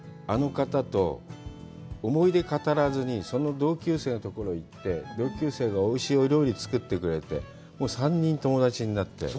あの方と思い出を語らずに、その同級生のところに行って、同級生がおいしいお料理を作ってくれて、３人友達になって。